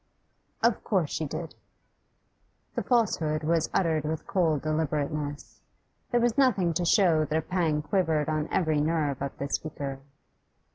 'Of course she did.' The falsehood was uttered with cold deliberateness. There was nothing to show that a pang quivered on every nerve of the speaker.